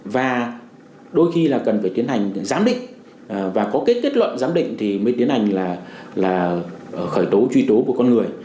và đôi khi là cần phải tiến hành giám định và có cái kết luận giám định thì mới tiến hành là khởi tố truy tố một con người